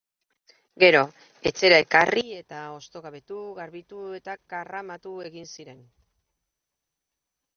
Gero etxera ekarri eta hostogabetu, garbitu eta karramatu egiten ziren.